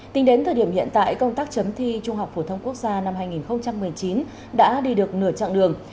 tính đến thời điểm hiện tại công tác chấm thi trung học phổ thông quốc gia năm hai nghìn một mươi chín đã đi được nửa chặng đường